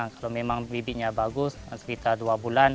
kalau memang bibitnya bagus sekitar dua bulan